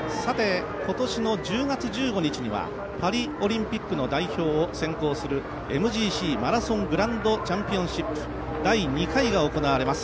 今年の１０月１５日にはパリオリンピックの代表を選考するＭＧＣ＝マラソングランドチャンピオンシップ第２回が行われます。